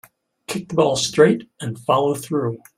Kick the ball straight and follow through.